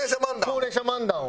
高齢者漫談を。